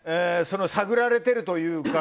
探られてるというか。